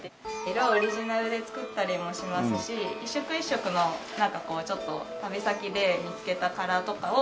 色をオリジナルで作ったりもしますし一色一色のなんかこうちょっと旅先で見つけたカラーとかをあの創始者が。